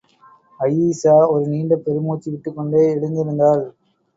அயீஷா ஒரு நீண்ட பெருமூச்சு விட்டுக்கொண்டே, எழுந்திருந்தாள்.